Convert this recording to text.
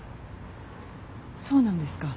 そうなんですか。